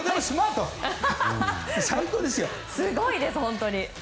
すごいです、本当に。